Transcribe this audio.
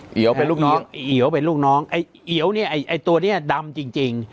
เอียวเป็นลูกน้องเอียวเป็นลูกน้องไอ้เอียวเนี่ยไอ้ตัวนี้ดำจริง